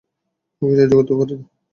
ওকে সাহায্য করতে পারতেন!